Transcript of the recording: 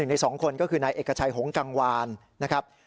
ใน๒คนก็คือนายเอกชัยหงกังวานนะครับ